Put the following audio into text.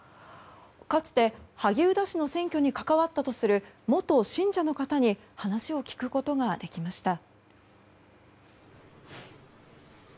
かつて萩生田氏の選挙に関わったとする元信者の方に話を聞くことができました。